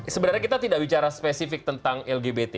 sebenarnya kita tidak bicara spesifik tentang lgbt